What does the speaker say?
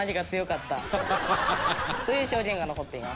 ハハハハ！という証言が残っています。